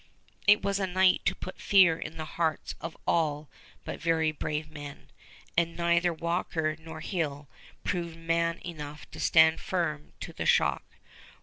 It was a night to put fear in the hearts of all but very brave men, and neither Walker nor Hill proved man enough to stand firm to the shock.